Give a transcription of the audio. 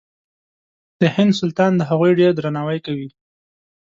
د هند سلطان د هغوی ډېر درناوی کوي.